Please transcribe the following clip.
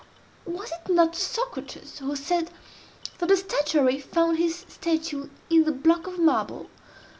Was it not Socrates who said that the statuary found his statue in the block of marble?